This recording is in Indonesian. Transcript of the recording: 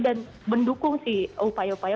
dan mendukung si upaya upaya